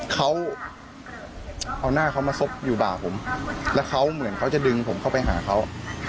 เขาเอาหน้าเขามาซบอยู่บ่าผมแล้วเขาเหมือนเขาจะดึงผมเข้าไปหาเขา